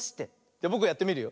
じゃぼくがやってみるよ。